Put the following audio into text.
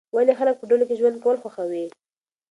ولې خلک په ډلو کې ژوند کول خوښوي؟